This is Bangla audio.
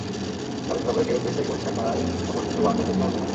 তবে জিম্বাবুয়েকে টেস্ট থেকে বহিষ্কার করায় সফর তিনটি ওয়ানডেতেই সীমাবদ্ধ থাকে।